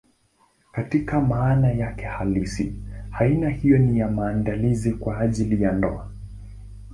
Katika maana yake halisi, aina hiyo ni ya maandalizi kwa ajili ya ndoa.